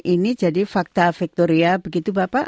ini jadi fakta victoria begitu bapak